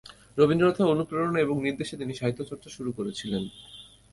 রবীন্দ্রনাথের অনুপ্রেরণা এবং নির্দেশে তিনি সাহিত্যচর্চা শুরু করেছিলেন।